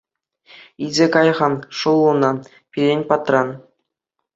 Илсе кай-ха шӑллуна пирӗн патран.